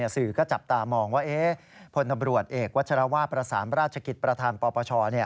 สื่อก็จับตามองว่าพลตำรวจเอกวัชรวาสประสานราชกิจประธานปปช